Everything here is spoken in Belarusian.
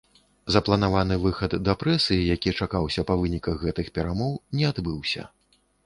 Запланаваны выхад да прэсы, які чакаўся па выніках гэтых перамоў, не адбыўся.